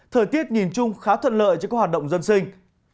thời tiết nhìn chung khá thuận lợi cho các hoạt động dân sinh